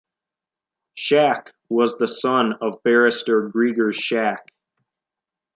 Schack was the son of barrister Gregers Schack.